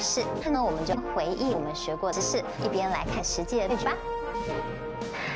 はい。